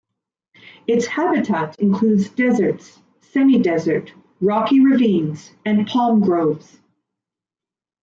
Its habitat includes desert, semi-desert, rocky ravines, and palm groves.